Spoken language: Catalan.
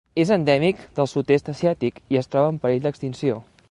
És endèmic del sud-est asiàtic i es troba en perill d'extinció.